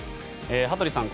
羽鳥さん